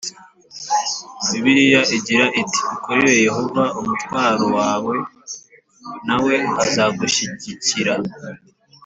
Bibiliya igira iti “ikoreze Yehova umutwaro wawe, na we azagushyigikira”